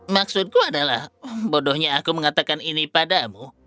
maksudku adalah bodohnya aku mengatakan ini padamu